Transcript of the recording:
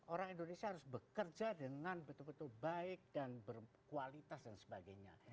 orang indonesia harus bekerja dengan betul betul baik dan berkualitas dan sebagainya